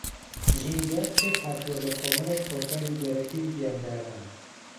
ژینگە پێکھاتووە لە کۆمەڵێک ھۆکاری دەرەکی و گیانداران